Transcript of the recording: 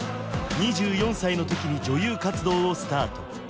２４歳の時に女優活動をスタート